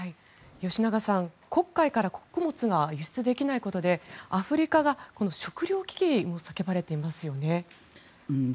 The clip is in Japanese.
吉永さん、黒海から穀物が輸出できないことでアフリカが食糧危機が叫ばれていますよね。